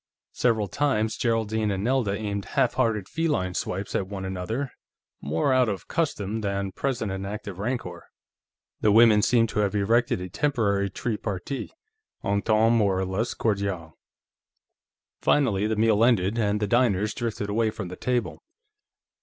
Several times, Geraldine and Nelda aimed halfhearted feline swipes at one another, more out of custom than present and active rancor. The women seemed to have erected a temporary tri partite Entente more or less Cordiale. Finally, the meal ended, and the diners drifted away from the table.